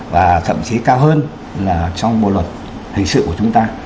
và thậm chí cao hơn là trong bộ luật hình sự của chúng ta